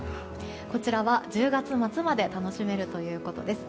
こちらは１０月末まで楽しめるということです。